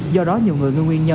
do đó nhiều người ngư nguyên